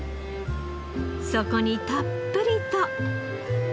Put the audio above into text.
そこにたっぷりと。